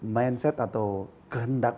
mindset atau kehendak